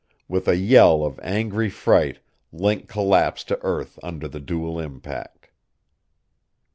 With a yell of angry fright Link collapsed to earth under the dual impact.